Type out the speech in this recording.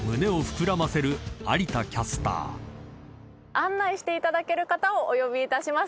案内していただける方をお呼びします。